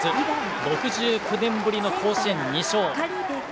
６９年ぶりの甲子園２勝。